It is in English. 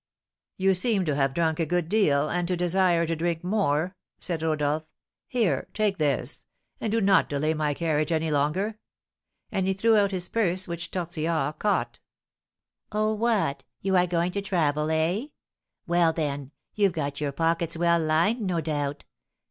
"You seem to have drunk a good deal, and to desire to drink more," said Rodolph; "here, take this, and do not delay my carriage any longer," and he threw out his purse, which Tortillard caught. "Oh, what, you are going to travel, eh? Well, then, you've got your pockets well lined, no doubt.